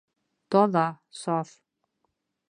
Таҙа, саф